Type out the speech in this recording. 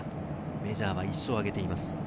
メジャーは１勝を挙げています。